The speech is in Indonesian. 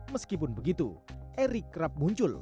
meskipun begitu erick kerap muncul